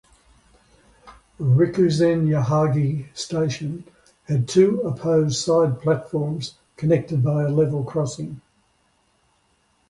Rikuzen-Yahagi Station had two opposed side platforms connected by a level crossing.